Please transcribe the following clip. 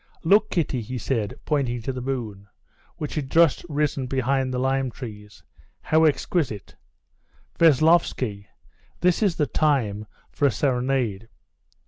"Look, Kitty," he said, pointing to the moon, which had just risen behind the lime trees—"how exquisite! Veslovsky, this is the time for a serenade.